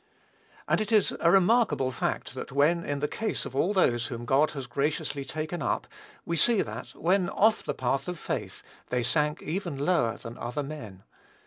And it is a remarkable fact that, in the case of all those whom God has graciously taken up, we see that, when off the path of faith, they sank even lower than other men.